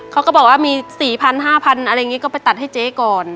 เขาก็บอกว่ามี๔๐๐๐๕๐๐๐บาทฟันเท่าผมตัดให้เจ๊ก่อน